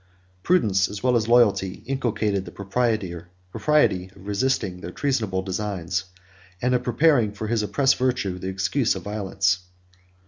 Prudence, as well as loyalty, inculcated the propriety of resisting their treasonable designs; and of preparing, for his oppressed virtue, the excuse of violence.